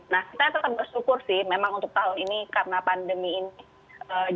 nah kita tetap bersyukur sih memang untuk tahun ini karena pandemi ini